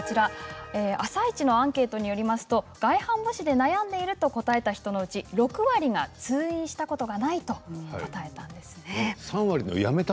「あさイチ」のアンケートによりますと外反母趾で悩んでいると答えた人のうち６割が通院したことがないと答えました。